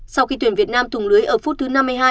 sau khi tuyển việt nam thùng lưới ở phút thứ năm mươi hai